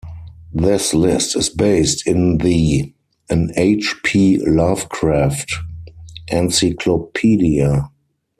This list is based in the "An H. P. Lovecraft Encyclopedia".